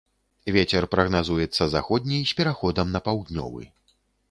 Вецер прагназуецца заходні з пераходам на паўднёвы.